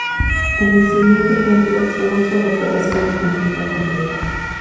En el siguiente ejemplo se muestra la operación de consulta completa.